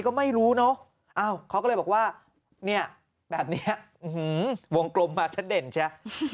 ก็ไม่รู้เนอะเขาก็ก็เลยบอกว่าแบบนี้วงกลมมาเสด็จใช่